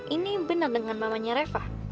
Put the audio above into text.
ini bener dengan mamanya reva